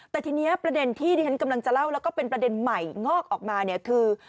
แต่ทีนี้ประเด็นที่ที่ฉันกำลังจะเล่าแล้วก็เป็นประเด็นใหม่งอกออกมาเนี่ยคือ